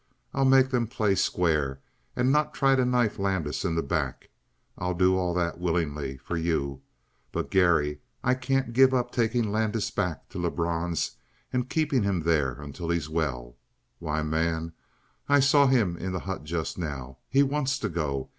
I'll make them play square and not try to knife Landis in the back. I'll do all that willingly for you! But, Garry, I can't give up taking Landis back to Lebrun's and keeping him there until he's well. Why, man, I saw him in the hut just now. He wants to go.